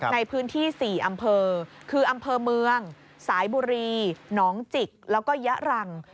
ในพื้นที่๔อำเภอคืออำเภอเมืองสายบุรีหนองจิกแล้วก็ยะรัง